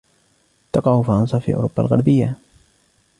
تقع فرنسا في أوروبا الغربية.